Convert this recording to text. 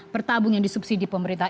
per tabung yang disubsidi pemerintah